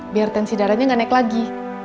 biar tensi darahnya nggak naik lagi